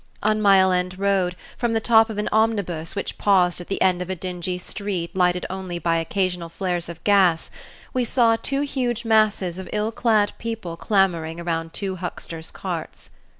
On Mile End Road, from the top of an omnibus which paused at the end of a dingy street lighted by only occasional flares of gas, we saw two huge masses of ill clad people clamoring around two hucksters' carts.